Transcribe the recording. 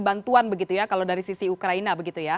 bantuan begitu ya kalau dari sisi ukraina